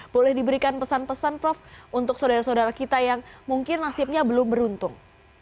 boleh diberikan pesan pesan prof untuk saudara saudara kita yang mungkin nasibnya belum beruntung